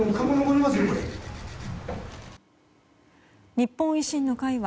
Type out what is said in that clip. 日本維新の会は